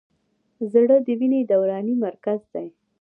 زړه د وینې دوران مرکز دی.